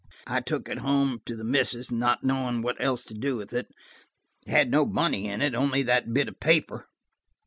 "I took it home to the missus–not knowing what else to do with it. It had no money in it–only that bit of paper."